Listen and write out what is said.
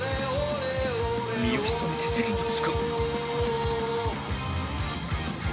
身を潜めて席に着く